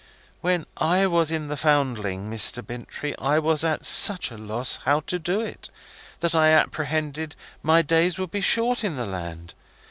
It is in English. When I was in the Foundling, Mr. Bintrey, I was at such a loss how to do it, that I apprehended my days would be short in the land.